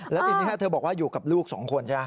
แล้วทีนี้เธอบอกว่าอยู่กับลูกสองคนใช่ไหม